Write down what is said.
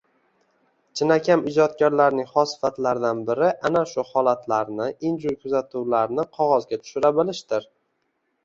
Chinakam ijodkorning xos sifatlaridan biri ana shu holatlarni, inja kuzatuvlarni qogʻozga tushira bilishdir